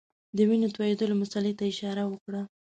د وینو تویېدلو مسلې ته اشاره وکړه.